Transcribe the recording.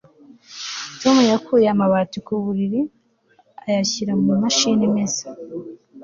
tom yakuye amabati ku buriri ayashyira mu mashini imesa